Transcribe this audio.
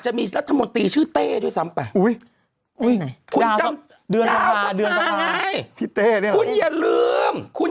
จะมีรัฐมนตรีชื่อต้อใจซ้ำไปเดือนสัปดาห์อย่ามอยากลืมที่